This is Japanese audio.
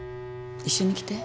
一緒に来て。